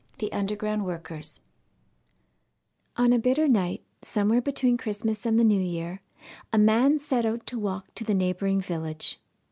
THE UNDERGROUND WORKERS On a bitter night somewhere between Christmas and the New Year, a man set out to walk to the neighbouring village.